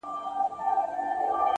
هره ورځ د ځان سمولو فرصت لري.